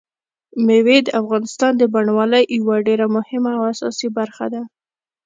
مېوې د افغانستان د بڼوالۍ یوه ډېره مهمه او اساسي برخه ده.